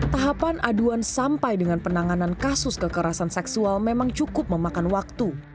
tahapan aduan sampai dengan penanganan kasus kekerasan seksual memang cukup memakan waktu